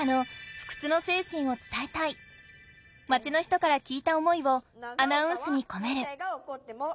町の人から聞いた思いをアナウンスに込める。